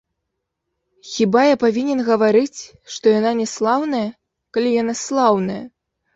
Хіба я павінен гаварыць, што яна няслаўная, калі яна слаўная.